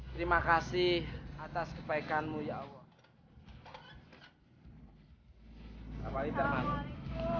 terima kasih atas kebaikanmu ya allah